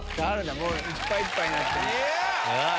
もういっぱいいっぱいになって。